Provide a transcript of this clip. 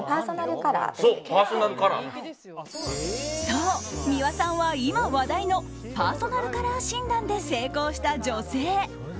そう、三輪さんは今、話題のパーソナルカラー診断で成功した女性。